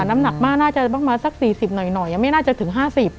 น้ำหนักมากน่าจะประมาณสัก๔๐หน่อยยังไม่น่าจะถึง๕๐